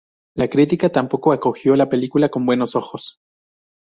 La crítica tampoco acogió la película con buenos ojos.